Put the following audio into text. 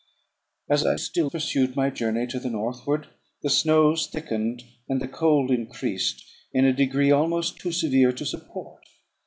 As I still pursued my journey to the northward, the snows thickened, and the cold increased in a degree almost too severe to support.